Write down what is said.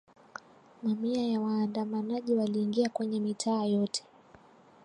Mamia ya waandamanaji waliingia kwenye mitaa yote